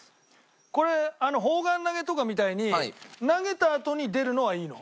これ砲丸投げとかみたいに投げたあとに出るのはいいの？